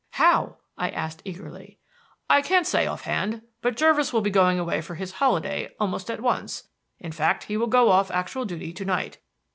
"How?" I asked eagerly. "I can't say offhand; but Jervis will be going away for his holiday almost at once in fact, he will go off actual duty to night.